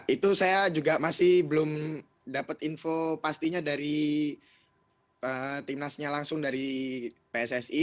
itu saya juga masih belum dapat info pastinya dari timnasnya langsung dari pssi